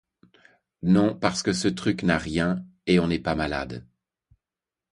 Non parce que ce truc n'a rien Et on est pas malades.